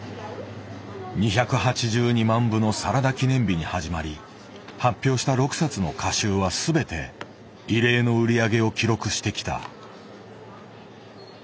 ２８２万部の「サラダ記念日」に始まり発表した６冊の歌集は全て異例の売り上げを記録してきた。